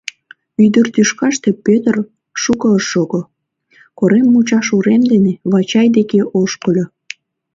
Ӱдыр тӱшкаште Пӧтыр шуко ыш шого, корем мучаш урем дене Вачай деке ошкыльо.